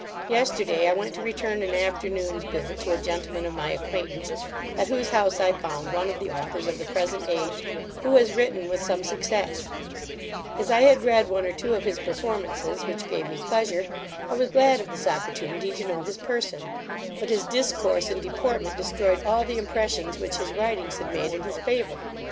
Yesterday, I went to return an afternoon's visit to a gentleman of my acquaintance, at whose house I found one of the authors of the present age, who has written with some success As I had read one or two of his performances, which gave me pleasure, I was glad of this opportunity to know his person; but his discourse and deportment destroyed all the impressions which his writings had made in his favour.